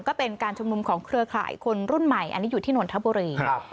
ก็เป็นการชุมนุมของเครือข่ายคนรุ่นใหม่อันนี้อยู่ที่นนทบุรี